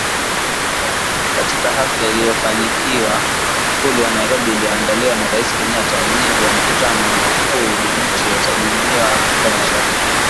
Katika hafla iliyofanyika Ikulu ya Nairobi iliyoandaliwa na Rais Kenyatta mwenyeji wa mkutano wa wakuu wa nchi za Jumuiya ya Afrika Mashariki.